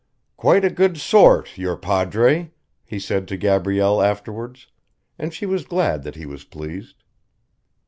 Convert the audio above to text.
"Quite a good sort, your padre," he said to Gabrielle afterwards, and she was glad that he was pleased.